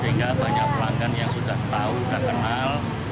sehingga banyak pelanggan yang sudah tahu sudah kenal